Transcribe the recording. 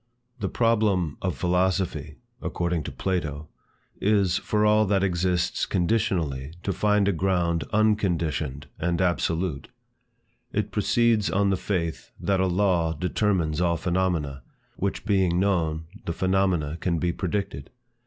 "The problem of philosophy," according to Plato, "is, for all that exists conditionally, to find a ground unconditioned and absolute." It proceeds on the faith that a law determines all phenomena, which being known, the phenomena can be predicted.